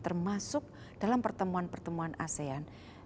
termasuk dalam pertemuan pertemuan asean